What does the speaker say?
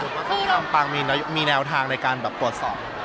สมมติว่าต้องรับปังมีแนวทางในการปวดสอบ